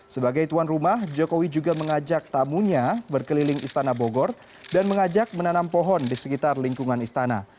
sebagai tuan rumah jokowi juga mengajak tamunya berkeliling istana bogor dan mengajak menanam pohon di sekitar lingkungan istana